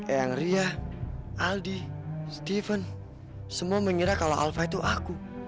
eyang ria aldi stephen semua mengira kalau alfa itu aku